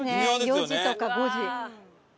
４時とか５時。